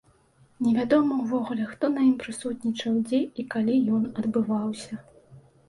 Невядома ўвогуле, хто на ім прысутнічаў, дзе і калі ён адбываўся.